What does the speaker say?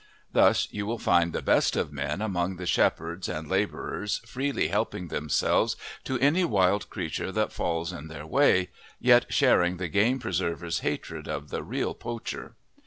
Thus you will find the best of men among the shepherds and labourers freely helping themselves to any wild creature that falls in their way, yet sharing the game preserver's hatred of the real poacher.